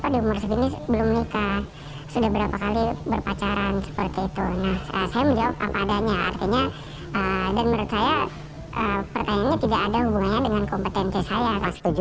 ditanyakan kenapa di umur sedini belum menikah sudah berapa kali berpacaran seperti itu